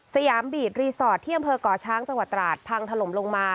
ยามบีดรีสอร์ทที่อำเภอก่อช้างจังหวัดตราดพังถล่มลงมา